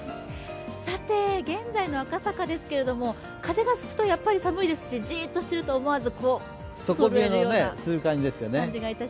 現在の赤坂ですけれども、風が吹くとやっぱり寒いですしじっとしていると、思わず底冷えがする感じですね。